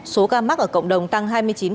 số ca mắc ở cộng đồng tăng hai mươi chín